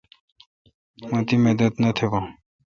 مہ تی مدد نہ تھبون۔